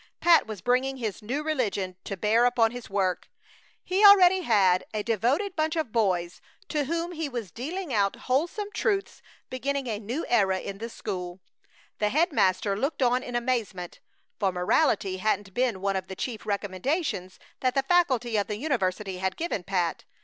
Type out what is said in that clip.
Pat was bringing his new religion to bear upon his work. He already had a devoted bunch of boys to whom he was dealing out wholesome truths beginning a new era in the school. The head master looked on in amazement, for morality hadn't been one of the chief recommendations that the faculty of the university had given Pat.